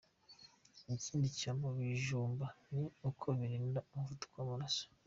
Ikindi kiba mu bijumba ni uko birinda umuvuduko w’amaraso.